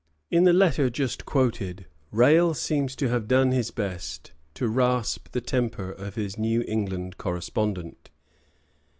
In the letter just quoted, Rale seems to have done his best to rasp the temper of his New England correspondent.